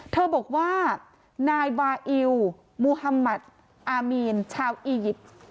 เธอบอกว่านายบ่าอิ๋วมุฮัมมัตต์อะมีนชาวอียิต